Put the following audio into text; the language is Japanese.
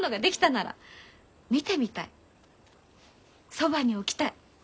そばに置きたい。